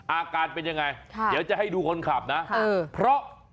อาการเป็นยังไงเดี๋ยวจะให้ดูคนขับนะเพราะ